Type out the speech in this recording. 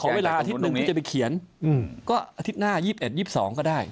เวลาอาทิตย์หนึ่งที่จะไปเขียนก็อาทิตย์หน้า๒๑๒๒ก็ได้